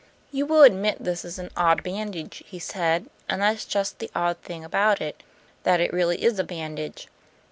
"You will admit this is an odd bandage," he said. "And that's just the odd thing about it, that it really is a bandage.